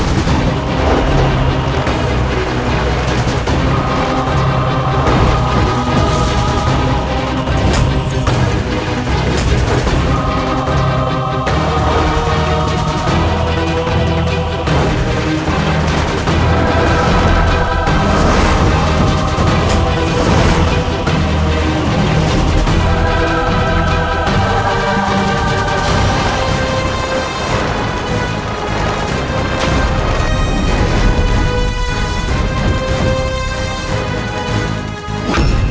tiga raden hentikan serangan